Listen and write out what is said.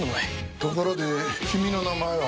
ところで君の名前は？